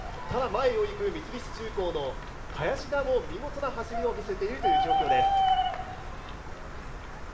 ただ、前を行く三菱重工の林田も見事な走りを見せているという状況です。